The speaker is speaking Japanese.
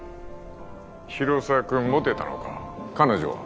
広沢君モテたのか彼女は？